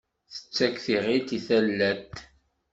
Tettak tiɣilt i talat.